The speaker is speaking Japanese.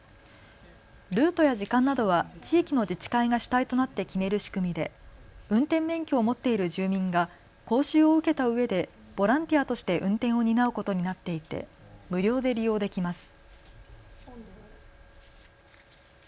ルートや時間などは地域の自治会が主体となって決める仕組みで運転免許を持っている住民が講習を受けたうえでボランティアとして運転を担うことになっていて無料で利用できます。